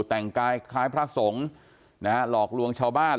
แต่งกายคล้ายพระสงฆ์นะฮะหลอกลวงชาวบ้าน